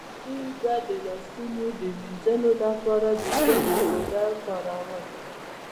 دوی به د لاسونو د وینځلو لپاره د چنو پاوډر کارول.